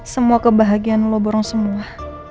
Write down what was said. semua kebahagiaan lo bohong semua